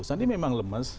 sandi memang lemes